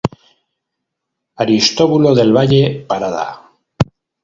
Aristóbulo del Valle; Parada.